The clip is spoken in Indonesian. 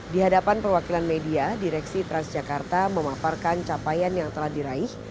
di hadapan perwakilan media direksi transjakarta memaparkan capaian yang telah diraih